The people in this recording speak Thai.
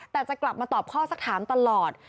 แต่จะกลับมาตอบข้อสักถามตลอด